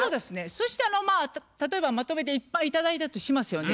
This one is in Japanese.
そして例えばまとめていっぱい頂いたとしますよね。